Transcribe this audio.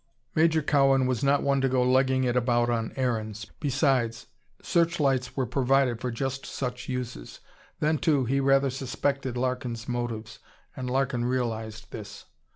Major Cowan was not one to go legging it about on errands. Besides, searchlights were provided for just such uses. Then too, he rather suspected Larkin's motives, and Larkin realized this.